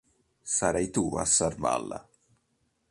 Sarai tu a salvarla.